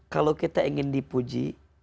kalau kita ingin dipuji